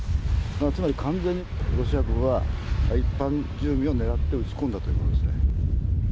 つまり完全にロシア軍は、一般住民を狙って撃ち込んだということですね。